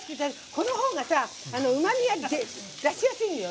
このほうがさうまみが出しやすいのよ。